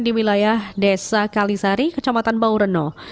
di wilayah desa kalisari kecamatan baureno